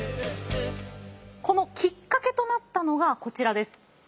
このきっかけとなったのがこちらです。